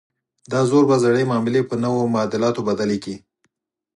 دا زور به زړې معاملې په نویو معادلاتو بدلې کړي.